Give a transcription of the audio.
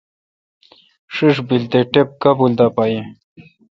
بیل تے ٹپ کابل دا پا یین۔